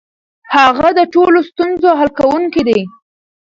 هغه د ټولو ستونزو حل کونکی دی.